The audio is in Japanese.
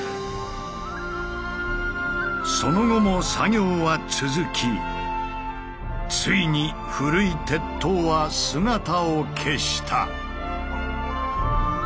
その後も作業は続きついに古い鉄塔は姿を消した。